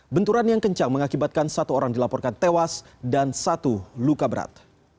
benturan yang kencang mengakibatkan satu orang dilaporkan tewas dan satu luka berat